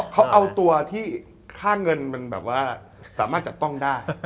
เขาเอาตัวที่ค่าเงินมันแบบว่าสามารถจับต้องได้